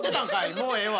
もうええわ。